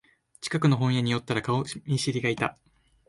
近くの本屋に寄ったら顔見知りがいた